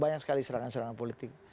banyak sekali serangan serangan politik